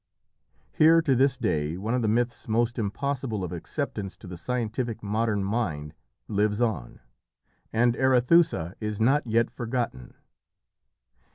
Here, to this day, one of the myths most impossible of acceptance to the scientific modern mind lives on, and Arethusa is not yet forgotten.